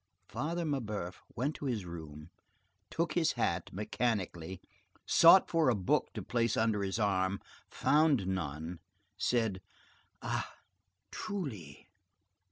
Father Mabeuf went to his room, took his hat, mechanically sought for a book to place under his arm, found none, said: "Ah! truly!"